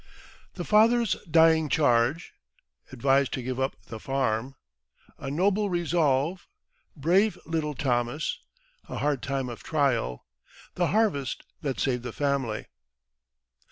The Father's Dying Charge Advised to give up the Farm A Noble Resolve Brave little Thomas A Hard Time of Trial The Harvest that saved the Family.